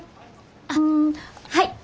あっはい。